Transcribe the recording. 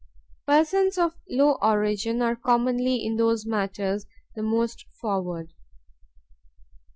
Persons of low origin are commonly in those matters the most forward.